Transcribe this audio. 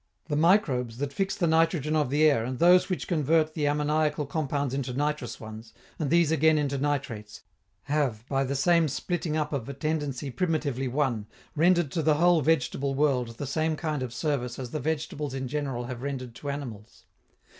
The microbes that fix the nitrogen of the air and those which convert the ammoniacal compounds into nitrous ones, and these again into nitrates, have, by the same splitting up of a tendency primitively one, rendered to the whole vegetable world the same kind of service as the vegetables in general have rendered to animals.